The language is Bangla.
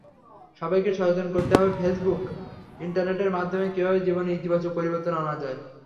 সবাইকে সচেতন করতে হবে ফেসবুক, ইন্টারনেটের মাধ্যমে কীভাবে জীবনের ইতিবাচক পরিবর্তন আনা যায়।